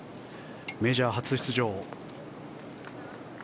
メジャー初出場。